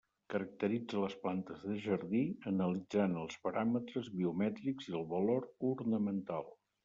Caracteritza les plantes de jardí, analitzant els paràmetres biomètrics i el valor ornamental.